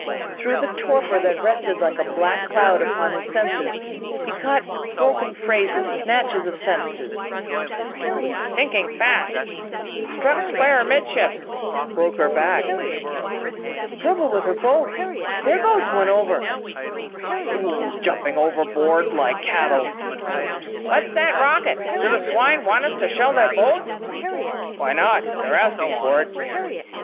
Through the torpor that rested like a black cloud upon his senses he caught broken phrases, snatches of sentences: "... sinking fast ... struck square amidships ... broke her back...." "... trouble with her boats. There goes one over!..." "... fools jumping overboard like cattle...." "What's that rocket? Do the swine want us to shell their boats?" "Why not? They're asking for it!"